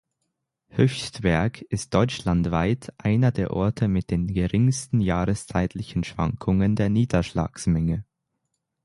Höchstberg ist deutschlandweit einer der Orte mit den geringsten jahreszeitlichen Schwankungen der Niederschlagsmenge.